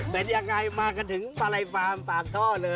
เป็นอย่างไรมาก็ถึงภาระฟาร์มปากท่อเลย